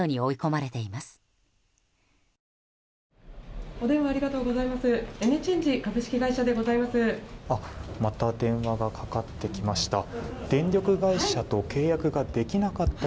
また電話がかかってきました。